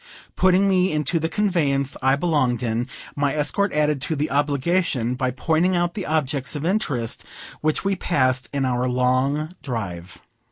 Putting me into the conveyance I belonged in, my escort added to the obligation by pointing out the objects of interest which we passed in our long drive.